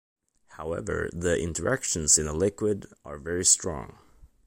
However, the interactions in a liquid are very strong.